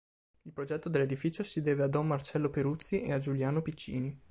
Il progetto dell'edificio si deve a don Marcello Peruzzi e a Giuliano Piccini.